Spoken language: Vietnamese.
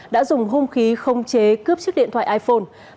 đã dùng hung khí không chế cướp chiếc điện thoại iphone